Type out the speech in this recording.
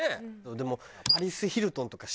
でも。